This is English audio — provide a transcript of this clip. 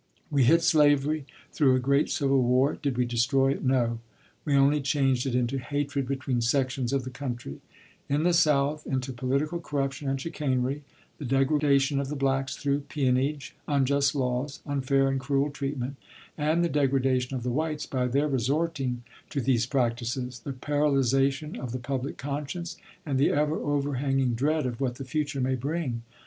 We hit slavery through a great civil war. Did we destroy it? No, we only changed it into hatred between sections of the country: in the South, into political corruption and chicanery, the degradation of the blacks through peonage, unjust laws, unfair and cruel treatment; and the degradation of the whites by their resorting to these practices, the paralyzation of the public conscience, and the ever over hanging dread of what the future may bring.